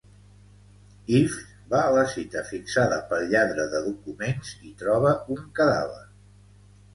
Ives va a la cita fixada pel lladre de documents i troba un cadàver.